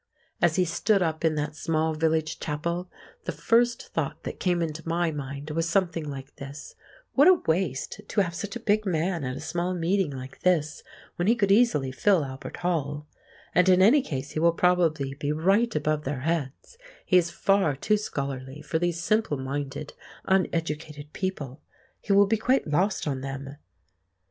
As he stood up in that small village chapel, the first thought that came into my mind was something like this: What a waste to have such a big man at a small meeting like this when he could easily fill Albert Hall; and in any case he will probably be right above their heads; he is far too scholarly for these simple minded uneducated people. He will be quite lost on them.